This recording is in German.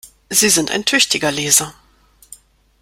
Sie sind ein tüchtiger Leser!